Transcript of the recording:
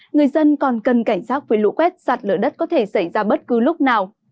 người dân còn cần cảnh giác với lũ quét sạt lở đất có thể xảy ra bất cứ lúc nào